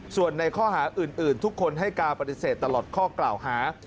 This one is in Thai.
ส่วนในข้อหาอื่นทุกคนให้การปฏิเสธตลอดข้อกล่าวหา